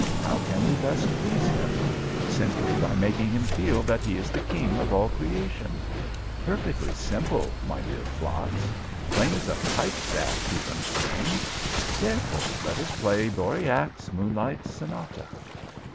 How can we best please him? Simply by making him feel that he is the King of all creation. Perfectly simple, my dear Flatz. Plain as a pikestaff, Teutonstring. Therefore let us play Dboriak's Moonlight Sonata."